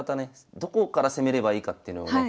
どこから攻めればいいかっていうのをね